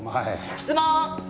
質問！